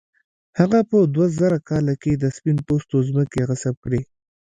هغه په دوه زره کال کې د سپین پوستو ځمکې غصب کړې.